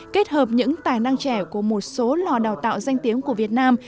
kết hợp những tài năng trẻ của một số lò đào tạo danh tiếng của việt nam